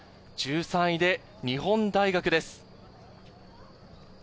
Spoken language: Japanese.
１３位で日本大学です。